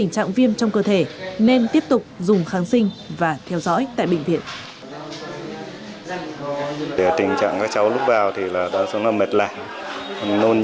chẳng viêm trong cơ thể nên tiếp tục dùng kháng sinh và theo dõi tại bệnh viện